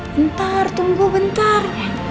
bentar tunggu bentar